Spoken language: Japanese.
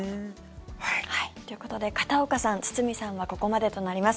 ということで片岡さん、堤さんはここまでとなります。